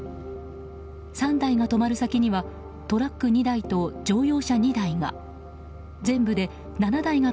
３台が止まる先にはトラック２台と乗用車２台が。